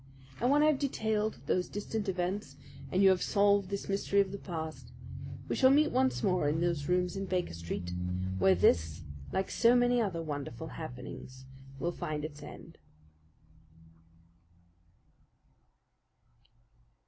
And when I have detailed those distant events and you have solved this mystery of the past, we shall meet once more in those rooms on Baker Street, where this, like so many other wonderful happenings, will find its end.